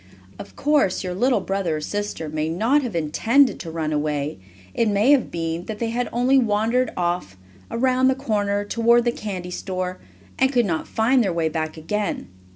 Of course your little brother or sister may not have intended to run away, it may have been that they only wandered off, around the corner, toward the candy store, and could not find their way back again.